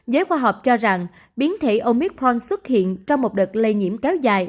giới khoa học cho rằng biến thể omitron xuất hiện trong một đợt lây nhiễm kéo dài